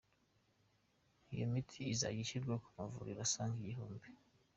Iyo miti izajya ishyirwa ku mavuriro asaga igihumbi.